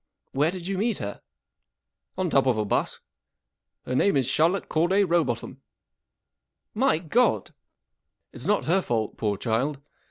4 ' Where did you meet her ?" 44 On top of a bus. Her name is Charlotte Cordav Row botham. " 44 MV God !" 44 It's not her fault, poor child.